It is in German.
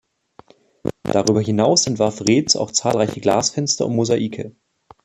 Darüber hinaus entwarf Reetz auch zahlreiche Glasfenster und Mosaike.